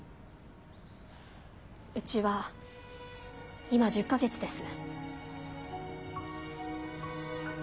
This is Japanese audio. うちは今１０か月です。